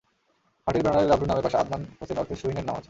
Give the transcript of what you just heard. হাটের ব্যানারে লাভলুর নামের পাশে আদনান হোসেন ওরফে সুহিনের নাম আছে।